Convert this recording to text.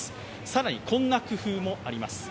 更にこんな工夫もあります。